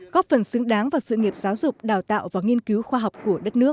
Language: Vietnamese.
góp phần xứng đáng vào sự nghiệp giáo dục đào tạo và nghiên cứu khoa học của đất nước